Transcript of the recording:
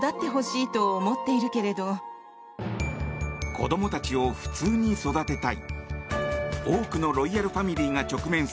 子供たちを普通に育てたい。